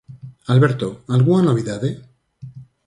Alberto, algunha novidade?